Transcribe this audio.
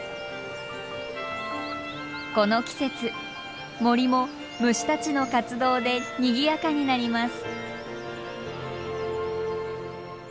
この季節森も虫たちの活動でにぎやかになります。